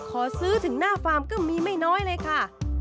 ขอซื้อถึงหน้าฟาร์มก็มีไม่น้อยเลยค่ะ